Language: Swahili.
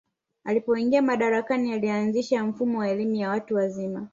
alipoingia madarakani alianzisha mfumo wa elimu ya watu wazima